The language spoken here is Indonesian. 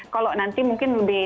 kalau nanti mungkin lebih